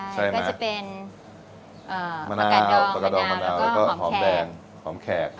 ใช่ก็จะเป็นเอ่อประกันดองมะนาวแล้วก็หอมแขก